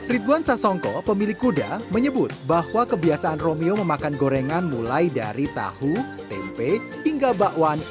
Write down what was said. ridwan sasongko pemilik kuda menyebut bahwa kebiasaan romio memakan gorengan mulai dari tahu tempe hingga bakwan